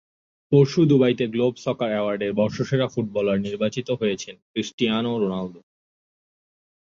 পরশু দুবাইতে globe soccer অ্যাওয়ার্ডের বর্ষসেরা ফুটবলার নির্বাচিত হয়েছেন ক্রিস্টিয়ানো রোনালদো।